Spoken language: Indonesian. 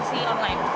biasanya aku pakai